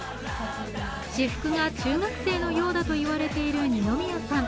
私服が中学生のようだといわれている二宮さん。